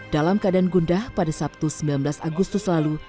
dalam keadaan gundah pada sabtu sembilan belas agustus lalu